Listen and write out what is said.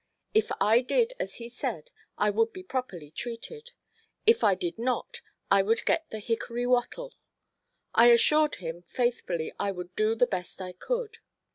If I did as he said I would be properly treated; if I did not I would get the hickory wottel. I assured him faithfully I would do the best I could.